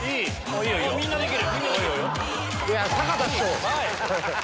みんなできる！